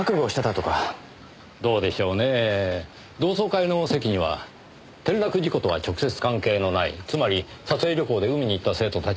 どうでしょうねぇ同窓会の席には転落事故とは直接関係のないつまり撮影旅行で海に行った生徒たちもいました。